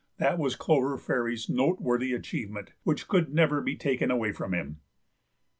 That was Clover Fairy's noteworthy achievement, which could never be taken away from him.